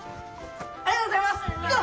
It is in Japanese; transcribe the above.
ありがとうございます！